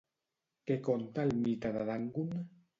Què conta el mite de Dangun?